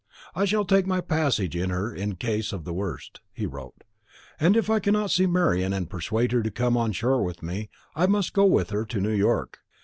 "I shall take my passage in her in case of the worst," he wrote; "and if I cannot see Marian and persuade her to come on shore with me, I must go with her to New York.